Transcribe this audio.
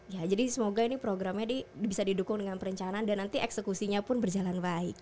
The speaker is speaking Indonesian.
ya jadi semoga ini programnya bisa didukung dengan perencanaan dan nanti eksekusinya pun berjalan baik